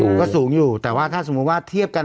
สูงก็สูงอยู่ถ้าสมมติเทียบกัน